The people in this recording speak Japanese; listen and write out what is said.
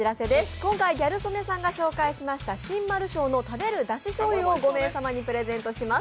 今回ギャル曽根さんが紹介しました新丸正の食べるだし醤油を５名様にプレゼントします。